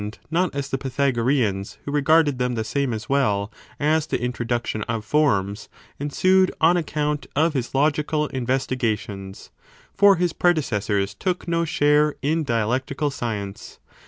not as the Pythagoreans, who regarded them the same, as well as the introduction of forms, ensued on account of his logical^ investigations; for his predecessors took no share in dia lectical science.